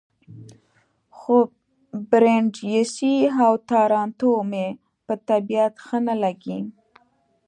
خو برېنډېسي او تارانتو مې په طبیعت ښه نه لګي.